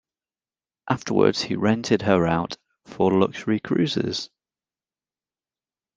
Afterwards he rented her out for luxury cruises.